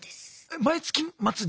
毎月末に？